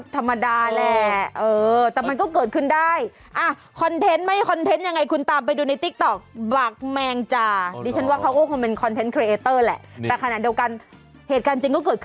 ผมเคยเห็นนะไอ้ที่มากับคำว่าสวยหมาเห่าเนี่ย